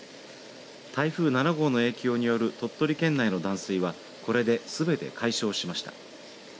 台風７号の影響による鳥取県内の断水はこれですべて解消しました。